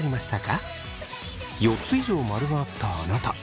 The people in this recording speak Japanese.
４つ以上○があったあなた。